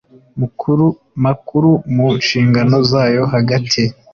Makuru mu nshingano zayo hagati